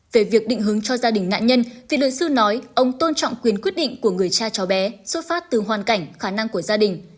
về việc định hướng cho gia đình nạn nhân vì lời sư nói ông tôn trọng quyền quyết định của người cha cháu bé xuất phát từ hoàn cảnh khả năng của gia đình